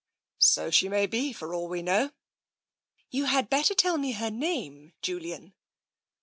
" So she may be, for all we know." "You had better tell me her name, Julian."